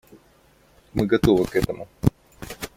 Мы готовы к этому.